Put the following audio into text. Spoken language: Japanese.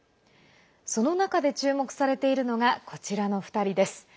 その中で注目されているのがこちらの２人です。